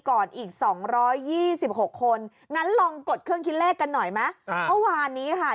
ก่อนอีก๒๒๖คนงั้นลองกดเครื่องคิดเลขกันหน่อยมั้ยวันนี้ค่ะ